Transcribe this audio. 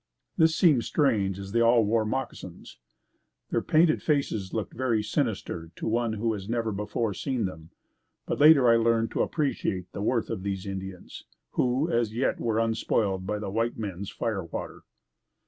This seemed strange as they all wore moccasins. Their painted faces looked very sinister to one who had never before seen them, but later I learned to appreciate the worth of these Indians, who as yet were unspoiled by the white man's fire water.